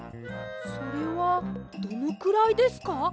それはどのくらいですか？